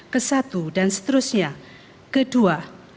ke satu dan seterusnya kedua